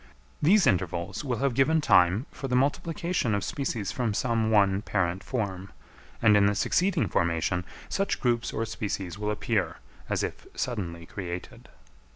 These intervals will have given time for the multiplication of species from some one parent form: and in the succeeding formation, such groups or species will appear as if suddenly created.